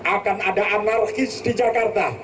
akan ada anarkis di jakarta